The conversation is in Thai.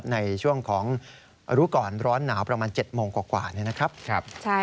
ในช่วงของรู้ก่อนร้อนหนาวประมาณ๗โมงกว่านะครับ